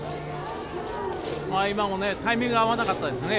今もタイミング合わなかったですね。